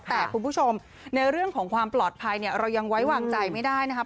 แต่คุณผู้ชมในเรื่องของความปลอดภัยเนี่ยเรายังไว้วางใจไม่ได้นะครับ